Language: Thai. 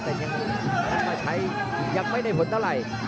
แต่ยังนำมาใช้ยังไม่ได้ผลเท่าไหร่